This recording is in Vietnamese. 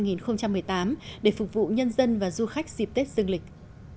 để phục vụ nhân dân và du khách dịp tết dương lịch